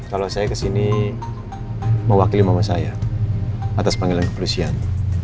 kalau saya kesini mewakili mama saya atas panggilan kepolisian